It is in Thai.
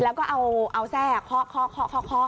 แล้วก็เอาแซ่ปขอก